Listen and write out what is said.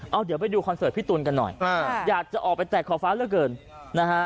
เอาเดี๋ยวไปดูคอนเสิร์ทพิธุลกันอยากจะออกไปแตกขอบฟ้าแล้วเกิน